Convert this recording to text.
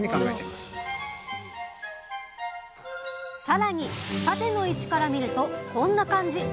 さらに縦の位置から見るとこんな感じ。